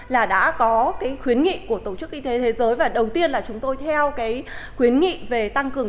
là đã có cái khuyến nghị của tổ chức y tế thế giới và đầu tiên là chúng tôi theo cái khuyến nghị về tăng cường